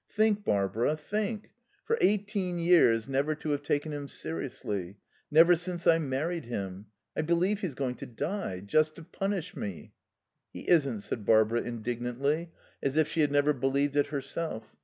Think, Barbara, think; for eighteen years never to have taken him seriously. Never since I married him.... I believe he's going to die. Just just to punish me." "He isn't," said Barbara indignantly, as if she had never believed it herself.